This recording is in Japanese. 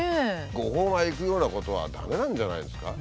誤報がいくようなことは駄目なんじゃないんですか。